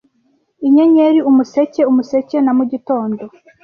inyenyeri umuseke umuseke na mugitondo